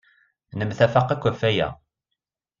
Nemtafaq akk ɣef waya.